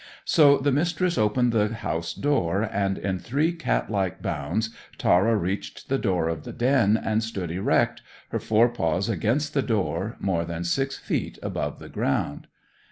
So the Mistress opened the house door, and in three cat like bounds Tara reached the door of the den, and stood erect, her fore paws against the door, more than six feet above the ground.